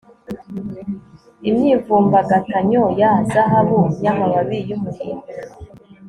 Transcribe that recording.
Imyivumbagatanyo ya zahabu yamababi yumuhindo